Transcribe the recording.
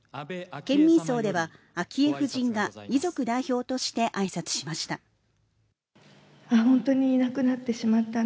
県民葬では、昭恵夫人が遺族代表としてあいさつしました。